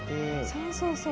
そうそうそう。